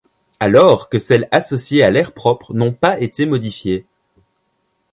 Alors que celles associées à l'air propre n'ont pas été modifiées.